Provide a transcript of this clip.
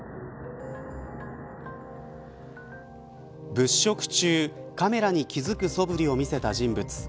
物色中、カメラに気付くそぶりを見せた人物。